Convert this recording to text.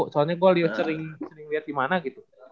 soalnya gue liat di mana gitu